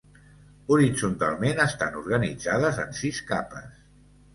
Horitzontalment, estan organitzades en sis capes.